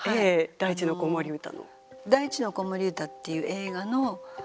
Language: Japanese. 「大地の子守歌」の。